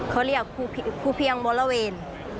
เขาเรียกภูเพียงบริเวณ